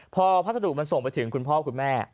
พอพัสดุมันส่งไปถึงคุณพ่อคุณแม่